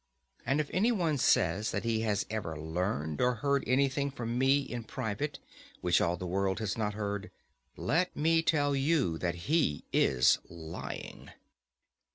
And if any one says that he has ever learned or heard anything from me in private which all the world has not heard, let me tell you that he is lying.